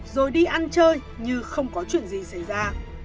rồi đi ăn chơi nhưng không có chuyện gì xảy ra